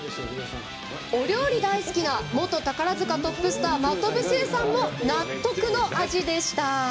お料理大好きな元宝塚トップスター真飛聖さんも納得の味でした。